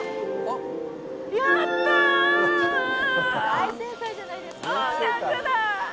大正解じゃないですか。